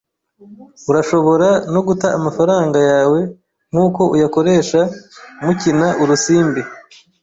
Urashobora no guta amafaranga yawe nkuko uyakoresha mukina urusimbi.